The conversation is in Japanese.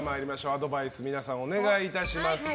アドバイスをお願いいたします。